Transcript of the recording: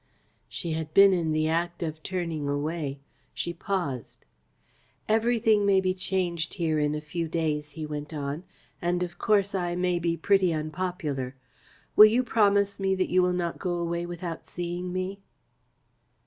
She had been in the act of turning away. She paused. "Everything may be changed here in a few days," he went on, "and, of course, I may be pretty unpopular. Will you promise me that you will not go away without seeing me?"